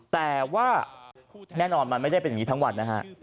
แต่ว่าแน่นอนมันไม่ได้เป็นอย่างนี้ทั้งวันนะฮะ